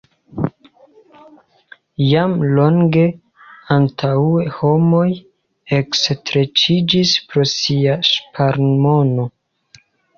Jam longe antaŭe homoj ekstreĉiĝis pro sia ŝparmono.